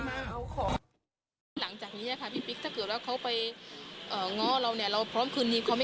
อาจจะที่ชดใส่ความผิดเราก็ให้เขาปลอดตัว